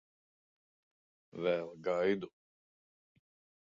Vēl gaidu.